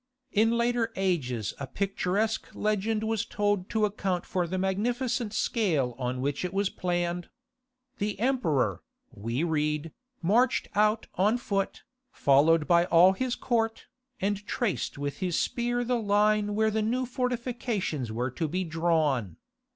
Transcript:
In later ages a picturesque legend was told to account for the magnificent scale on which it was planned. The emperor, we read, marched out on foot, followed by all his court, and traced with his spear the line where the new fortifications were to be drawn.